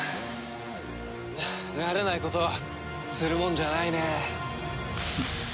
慣れないことはするもんじゃないね。